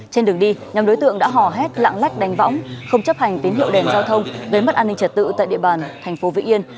trên đường đi nhóm đối tượng đã hò hét lạng lách đánh võng không chấp hành tín hiệu đèn giao thông gây mất an ninh trật tự tại địa bàn thành phố vĩnh yên